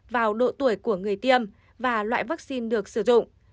vào độ tuổi của người tiêm và loại vaccine được sử dụng